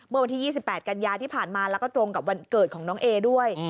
เมื่อวันที่๒๘กันยาที่ผ่านมาแล้วก็ตรงกับวันเกิดของน้องเอด้วย